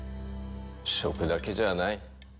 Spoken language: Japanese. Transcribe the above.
食だけじゃない。